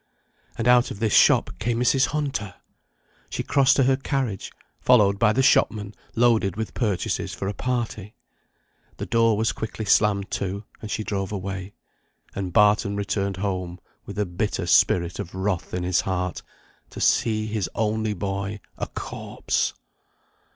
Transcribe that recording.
And out of this shop came Mrs. Hunter! She crossed to her carriage, followed by the shopman loaded with purchases for a party. The door was quickly slammed to, and she drove away; and Barton returned home with a bitter spirit of wrath in his heart, to see his only boy a corpse!